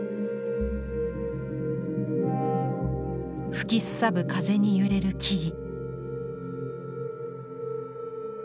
吹きすさぶ風に揺れる木々。